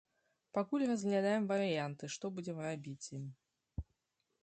Пакуль разглядаем варыянты, што будзем рабіць з ім.